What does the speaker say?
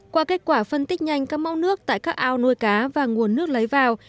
qua kết quả phân tích nhanh các mẫu nước tại các ao nuôi cá và nguồn nước lấy vào